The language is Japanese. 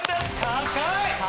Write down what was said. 高い！